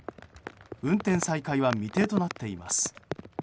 運転再開は未定となっています。